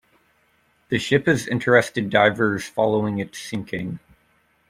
The ship has interested divers following its sinking.